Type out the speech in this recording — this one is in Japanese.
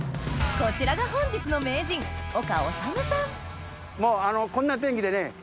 こちらが本日のもうこんな天気でね。